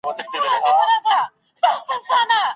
د میندو مړینه ولي رامنځته کیږي؟